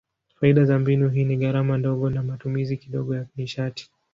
Faida za mbinu hii ni gharama ndogo na matumizi kidogo ya nishati.